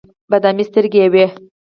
بادامي سترګې یې وې.